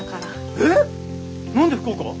えっ！？何で福岡？